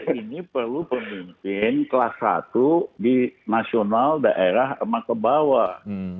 ini perlu pemimpin kelas satu di nasional daerah kebawah